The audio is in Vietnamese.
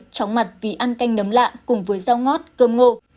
chóng mặt vì ăn canh nấm lạ cùng với rau ngót cơm ngô